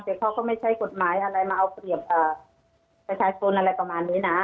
แต่เขาก็ไม่ใช้กฎหมายอะไรมาเอาเปรียบประชาชนอะไรประมาณนี้นะ